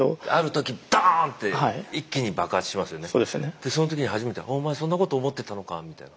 でその時に初めて「お前そんなこと思ってたのか」みたいな。